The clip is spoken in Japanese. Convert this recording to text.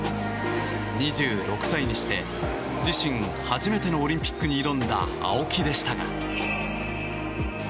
２６歳にして、自身初めてのオリンピックに挑んだ青木でしたが。